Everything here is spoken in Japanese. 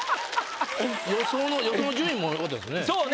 予想順位もよかったですよね。